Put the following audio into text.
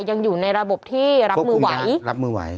มันยังอยู่ในระบบที่รับมือไหว